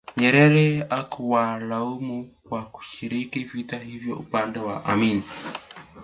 Nyerere hakuwalaumu kwa kushiriki vita hivyo upande wa Amin